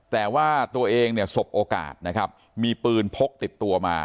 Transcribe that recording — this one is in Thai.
แต่ว่าตัวเองเนี่ยสบโอกาสนะครับมีปืนพกติดตัวมา